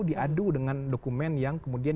diadu dengan dokumen yang kemudian